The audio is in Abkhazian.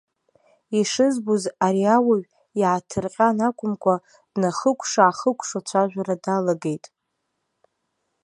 Ишызбоз ари ауаҩ, иааҭырҟьан акәымкәа, днахыкәша-аахыкәшо ацәажәара далагеит.